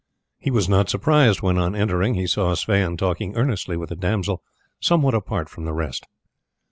He was not surprised when on entering he saw Sweyn talking earnestly with a damsel somewhat apart from the rest.